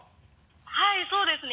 はいそうですね